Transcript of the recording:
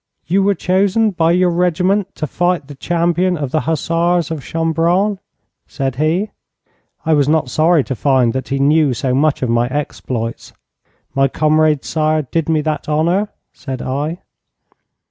'You were chosen by your regiment to fight the champion of the Hussars of Chambarant?' said he. I was not sorry to find that he knew so much of my exploits. 'My comrades, sire, did me that honour,' said I.